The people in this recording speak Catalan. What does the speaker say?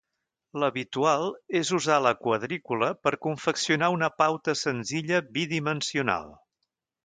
L'habitual és usar la quadrícula per confeccionar una pauta senzilla bidimensional.